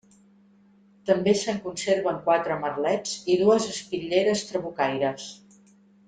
També se'n conserven quatre merlets i dues espitlleres trabucaires.